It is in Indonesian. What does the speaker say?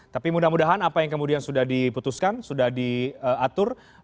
tapi mudah mudahan apa yang kemudian sudah diputuskan sudah diatur